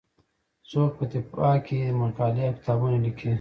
څوک په دفاع کې مقالې او کتابونه لیکي.